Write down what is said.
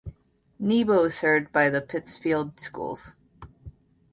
Nebo is served by the Pittsfield Schools.